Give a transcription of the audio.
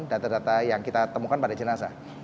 data data yang kita temukan pada jenazah